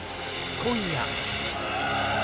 今夜！